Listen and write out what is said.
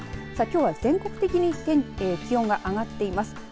きょうは全国的に気温が上がっています。